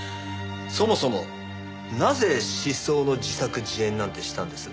そもそもなぜ失踪の自作自演なんてしたんです？